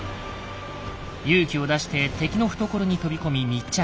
勇気を出して敵の懐に飛び込み密着。